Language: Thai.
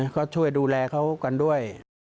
ก็ช่วยดูแลเขากันด้วย